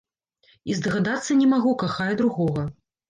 І здагадацца не магу, кахае другога.